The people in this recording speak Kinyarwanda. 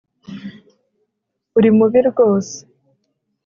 Uri mubi rwose